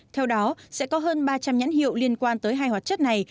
theo đó sẽ có hơn ba trăm linh nhãn hiệu liên quan tới hai hoạt chất này